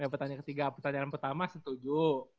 pertanyaan ketiga pertanyaan pertama setuju